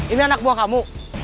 ini anak buah kamu